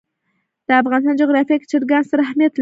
د افغانستان جغرافیه کې چرګان ستر اهمیت لري.